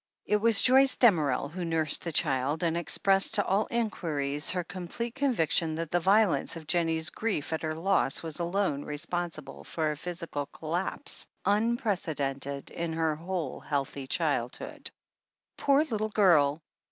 It was Joyce Damerel who nursed the child, and ex pressed to all inquiries her complete conviction that the violence of Jennie's grief at her loss was alone re sponsible for a physical collapse, unprecedented in her whole healthy childhood. Poor little girl